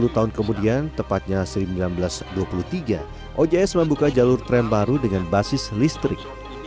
sepuluh tahun kemudian tepatnya seribu sembilan ratus dua puluh tiga ojs membuka jalur tram baru dengan basis listrik